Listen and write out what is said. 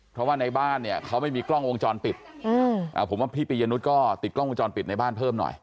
เพราะว่าในบ้านเนี่ยเขาไม่มีกล้องวงจรปิดผมว่าพี่ปียนุษย์ก็ติดกล้องวงจรปิดในบ้านเพิ่มหน่อย